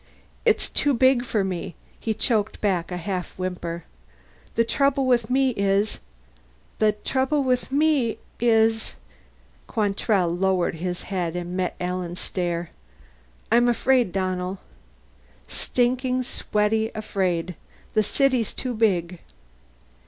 "It's too big for me." He choked back a half whimper. "The trouble with me is the trouble with me is " Quantrell lowered his head and met Alan's stare. "I'm afraid, Donnell. Stinking sweaty afraid. The city's too big."